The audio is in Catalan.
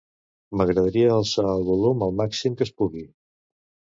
M'agradaria alçar el volum al màxim que es pugui.